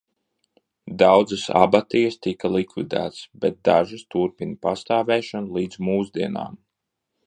Daudzas abatijas tika likvidētas, bet dažas turpina pastāvēšanu līdz mūsdienām.